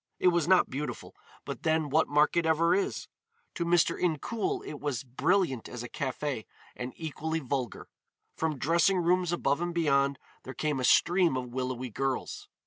It was not beautiful, but then what market ever is? To Mr. Incoul it was brilliant as a café, and equally vulgar. From dressing rooms above and beyond there came a stream of willowy girls.